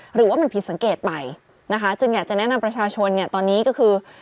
หรือว่ามันผิดสังเกตไปนะคะจึงอยากจะแนะนำประชาชนเนี่ยตอนนี้ก็คือ